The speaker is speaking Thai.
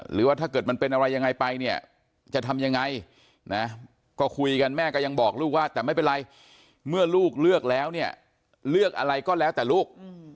หรือว่าถ้าเกิดมันเป็นอะไรยังไงไปเนี่ยจะทำยังไงนะก็คุยกันแม่ก็ยังบอกลูกว่าแต่ไม่เป็นไรเมื่อลูกเลือกแล้วเนี่ยเลือกอะไรก็แล้วแต่ลูก